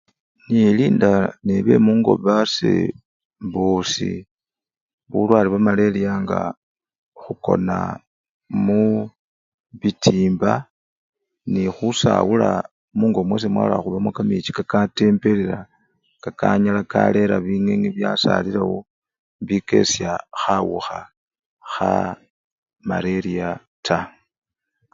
nilinda ne bemungo basee bosii bulwale bwamaleria nga hukona muu-bitimba nehusawula mungo mwase mwalahubamo kamechi kakatembelela kakanyala karera bingenge byasalilawo bibikesha hawuha hamaleria taa